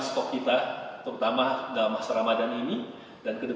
sebelum kita beralih ke masjid ini